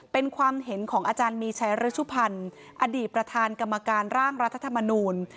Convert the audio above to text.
เป็นความเห็นของอาจารย์มีชัยฤชุพันธ์อดีตประธานกรรมการร่างรัฐธรรมนูล